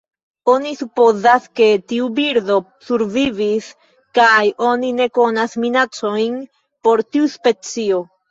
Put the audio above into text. Oni supozas ke tiu birdo survivis kaj oni ne konas minacojn por tiu specio.